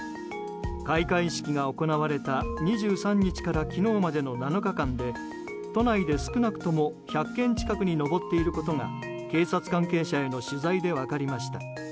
開会式が行われた２３日から昨日までの７日間で都内で少なくとも１００件近くに上っていることが警察関係者への取材で分かりました。